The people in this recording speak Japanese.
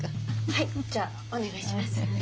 はいじゃあお願いします。